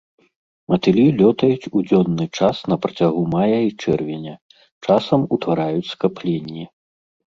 Матылі лётаюць у дзённы час на працягу мая і чэрвеня, часам утвараюць скапленні.